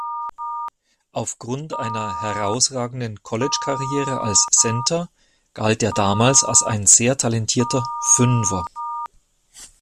Aufgrund einer herausragenden College-Karriere als Center galt er damals als ein sehr talentierter „Fünfer“.